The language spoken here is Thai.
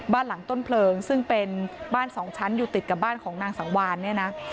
บ้านหลังต้นเพลิงซึ่งเป็นบ้านสองชั้นอยู่ติดกับบ้านของนางสังวานเนี่ยนะ